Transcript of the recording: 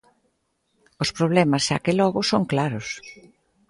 Os problemas, xa que logo, son claros.